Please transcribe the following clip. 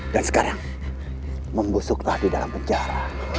dan sekarang membusuklah di dalam penjara